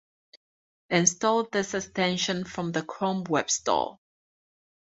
Install this extension from the Chrome Web Store.